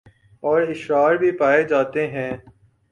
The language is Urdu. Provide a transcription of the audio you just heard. اور اشرار بھی پائے جاتے ہیں